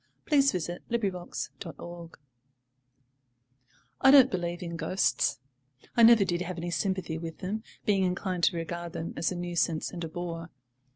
WE CALLED HIM "ALLY" FOR SHORT I don't believe in ghosts; I never did have any sympathy with them, being inclined to regard them as a nuisance and a bore.